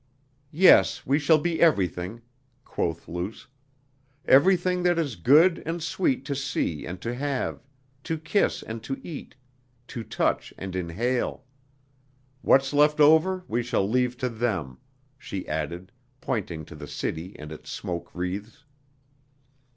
"Yes, we shall be everything," quoth Luce, "everything that is good and sweet to see and to have, to kiss and to eat, to touch and inhale.... What's left over we shall leave to them," she added, pointing to the city and its smoke wreaths.